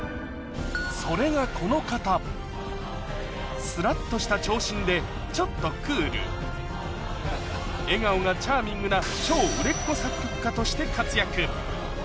それがこの方スラっとした長身でちょっとクール笑顔がチャーミングなとして活躍